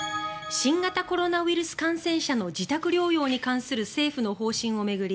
新型コロナウイルス感染者の自宅療養に関する政府の方針を巡り